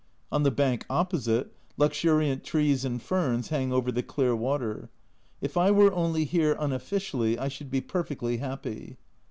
On the bank opposite, luxuriant trees and ferns hang over the clear water ; if I were only here unofficially I should be perfectly happy.